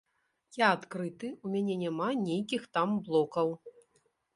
Я адкрыты, у мяне няма нейкіх там блокаў.